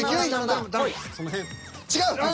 違う。